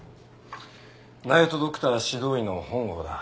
ナイト・ドクター指導医の本郷だ。